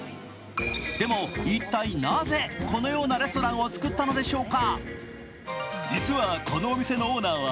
でも、一体なぜ、このようなレストランを作ったのでしょうか。